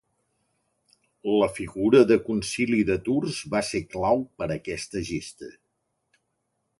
La figura de Concili de Tours va ser clau per aquesta gesta.